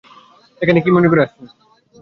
এখানে কী মনে করে আসলেন?